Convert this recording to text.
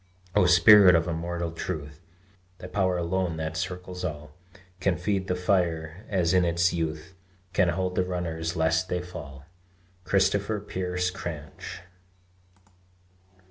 O Spirit of immortal truth, Thy power alone that circles all Can feed the fire as in its youth Can hold the runners lest they fall! CHRISTOPHER PEARSE CRANCH.